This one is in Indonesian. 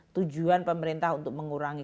tujuan pemerintah untuk mengurangi